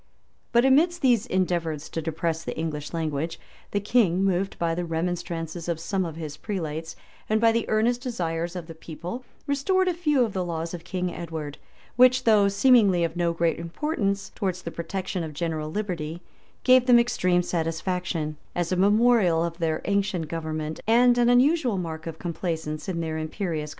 But amidst those endeavors to depress the English nation, the king, moved by the remonstrances of some of his prelates, and by the earnest desires of the people, restored a few of the laws of King Edward;[] which, though seemingly of no great importance towards the protection of general liberty, gave them extreme satisfaction, as a memorial of their ancient government, and an unusual mark of complaisance in their imperious conquerors.